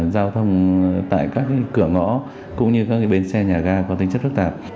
giao thông tại các cửa ngõ cũng như các bến xe nhà ga có tính chất phức tạp